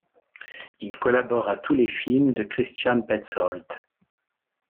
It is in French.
Il collabore à tous les films de Christian Petzold.